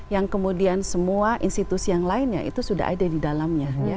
yang kemudian semua institusi yang lainnya itu sudah ada di dalamnya